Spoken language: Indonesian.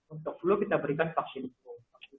untuk flu kita berikan vaksin flu